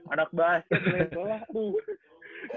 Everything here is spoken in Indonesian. anak basket nilai sekolah tuh